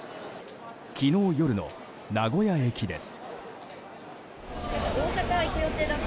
昨日夜の名古屋駅です。